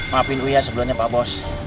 maafin uya sebelumnya pak bos